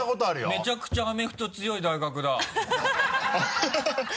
めちゃくちゃアメフト強い大学だハハハ